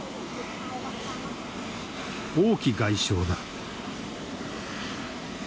王毅外相だ。